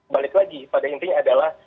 balik lagi pada intinya adalah